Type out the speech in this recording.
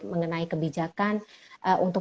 mengenai kebijakan untuk